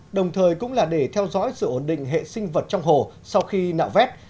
đồng thời cũng là để theo dõi sự ổn định hệ sinh vật trong hồ sau khi nạo vét